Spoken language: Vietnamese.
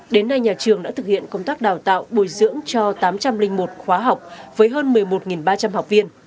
đến nay nhà trường đã thực hiện công tác đào tạo bồi dưỡng cho tám trăm linh một khóa học với hơn một mươi một ba trăm linh học viên